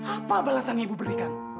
apa balasan yang ibu berikan